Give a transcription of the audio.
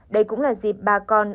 đây cũng là dịp ba con